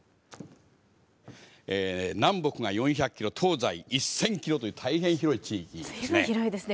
南北が４００キロ東西１，０００キロという大変広い地域です。